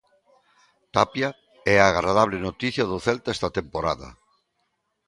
Tapia é a agradable noticia do Celta esta temporada.